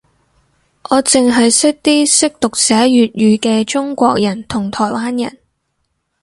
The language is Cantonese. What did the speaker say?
我剩係識啲識讀寫粵語嘅中國人同台灣人